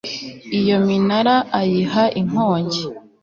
iyo minara ayiha inkongi